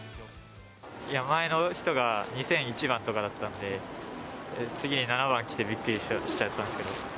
前の人が２００１番とかだったんで、次に７番が来て、びっくりしましたけど。